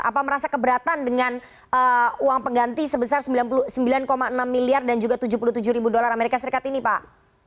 apa merasa keberatan dengan uang pengganti sebesar sembilan puluh sembilan enam miliar dan juga tujuh puluh tujuh ribu dolar amerika serikat ini pak